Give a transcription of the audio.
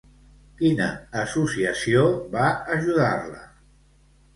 Quina associació va ajudar-la?